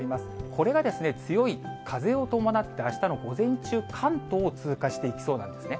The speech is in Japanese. これが強い風を伴って、あしたの午前中、関東を通過していきそうなんですね。